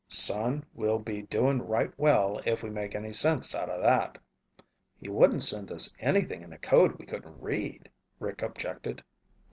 "Son, we'll be doing right well if we make any sense out of that!" "He wouldn't send us anything in a code we couldn't read," Rick objected.